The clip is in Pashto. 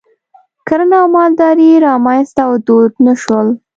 کرنه او مالداري رامنځته او دود نه شول.